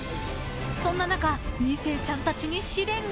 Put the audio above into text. ［そんな中２世ちゃんたちに試練が］